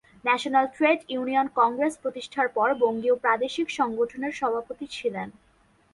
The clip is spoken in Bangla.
ন্যাশনাল ট্রেড ইউনিয়ন কংগ্রেস প্রতিষ্ঠার পর বঙ্গীয় প্রাদেশিক সংগঠনের সভাপতি ছিলেন।